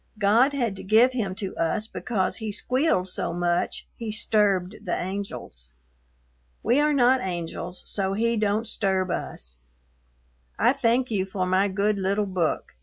God had to give him to us because he squealed so much he sturbed the angels. We are not angels so he Dont sturb us. I thank you for my good little book.